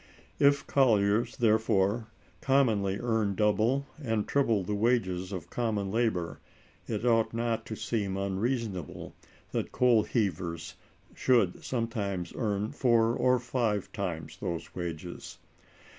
If colliers, therefore, commonly earn double and triple the wages of common labor, it ought not to seem unreasonable that coal heavers should sometimes earn four or five times those wages.